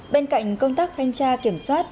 bên cạnh công tác thanh tra kiểm soát